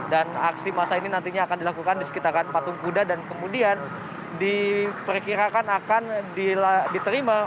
dan aksi masa ini nantinya akan dilakukan di sekitaran patung kuda dan kemudian diperkirakan akan diterima